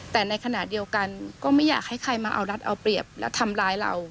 แต่ในขณะเดียวกันก็ไม่อยากให้ใครมาเอารัดเอาเปรียบและทำร้ายเรา